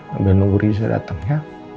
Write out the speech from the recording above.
sambil nunggu riza datang ya